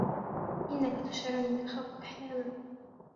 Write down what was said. إنك تشعرني بالخوف أحيانا.